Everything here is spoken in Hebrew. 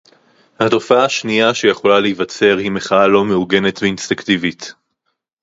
התופעה השנייה שיכולה להיווצר היא מחאה לא מאורגנת ואינסטינקטיבית